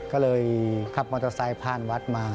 ก็เลยขับมอเตอร์ไซค์ผ่านวัดมา